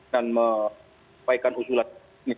dan menyebaikan usulan ini